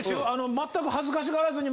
まったく恥ずかしがらずに。